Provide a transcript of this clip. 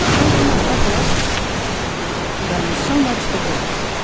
I do not recollect it." "Then so much the worse!